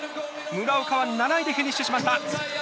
村岡は７位でフィニッシュしました！